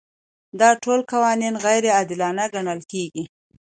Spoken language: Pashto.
دا ټول قوانین غیر عادلانه ګڼل کیږي.